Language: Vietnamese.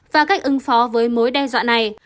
và cách ứng phó với mối đe dọa này